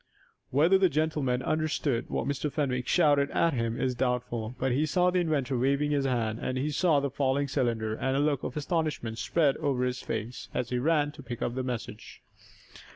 Whether the gentleman understood what Mr. Fenwick shouted at him is doubtful, but he saw the inventor waving his hand, and he saw the falling cylinder, and a look of astonishment spread over his face, as he ran to pick up the message.